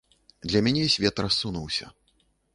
Для мяне свет рассунуўся.